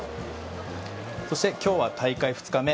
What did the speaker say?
そして、今日は大会２日目